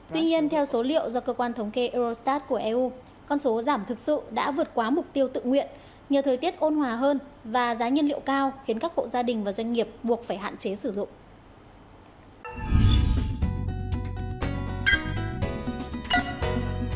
tuy nhiên theo số liệu do cơ quan thống kê eurostat của eu con số giảm thực sự đã vượt quá mục tiêu tự nguyện nhờ thời tiết ôn hòa hơn và giá nhiên liệu cao khiến các hộ gia đình và doanh nghiệp buộc phải hạn chế sử dụng